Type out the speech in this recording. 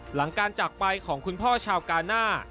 หลังการจากไปของคุณพ่อชาวกาน่า